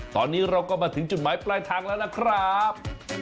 ตอนนี้เราก็มาถึงจุดหมายปลายทางแล้วนะครับ